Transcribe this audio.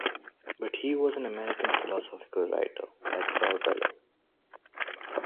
But he was an American philosophical writer, like Saul Bellow.